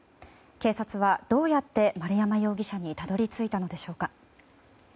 警察はどうやって丸山容疑者にたどり着いたのでしょうか。